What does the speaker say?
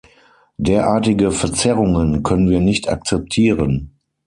Derartige Verzerrungen können wir nicht akzeptieren.